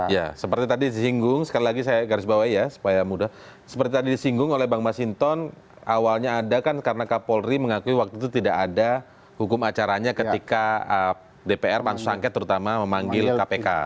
ya seperti tadi disinggung sekali lagi saya garis bawah ya supaya mudah seperti tadi disinggung oleh bang mas hinton awalnya ada kan karena kapolri mengakui waktu itu tidak ada hukum acaranya ketika dpr pansus angket terutama memanggil kpk